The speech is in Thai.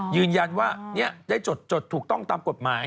ยืนยันว่าได้จดถูกต้องตามกฎหมาย